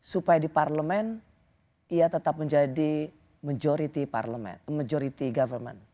supaya di parlemen ia tetap menjadi majority parlemen majority government